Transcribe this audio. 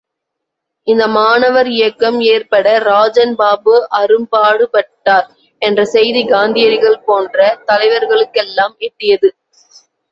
இந்த மாணவர் இயக்கம் ஏற்பட ராஜன் பாபு அரும்பாடுபட்டார் என்ற செய்தி காந்தியடிகள் போன்ற தலைவர்களுக்கெல்லாம் எட்டியது.